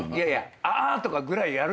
「あー」とかぐらいやる